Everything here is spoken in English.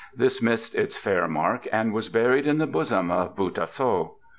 This missed its fair mark and was buried in the bosom of Bu tah so.